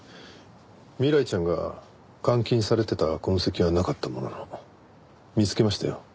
未来ちゃんが監禁されてた痕跡はなかったものの見つけましたよ